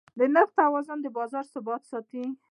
د نرخ توازن د بازار ثبات ساتي.